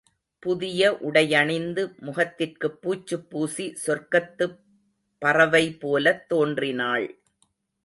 புதிய உடையணிந்து முகத்திற்குப் பூச்சுப்பூசி, சொர்க்கத்துப் பறவைபோலத் தோன்றினாள்.